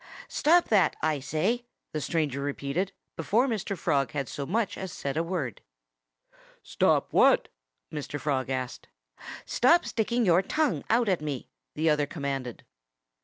"Stop that, I say!" the stranger repeated, before Mr. Frog had so much as said a word. "Stop what?" Mr. Frog asked. "Stop sticking your tongue out at me!" the other commanded.